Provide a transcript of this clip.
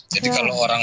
jadi kalau orang